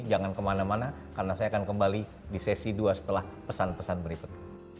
jangan kemana mana karena saya akan kembali di sesi dua setelah pesan pesan berikut